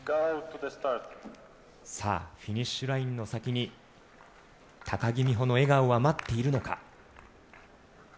さあ、フィニッシュラインの先に、高木美帆の笑顔は待っているのか。